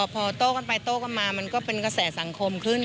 พอโต้กันไปโต้กันมามันก็เป็นกระแสสังคมขึ้น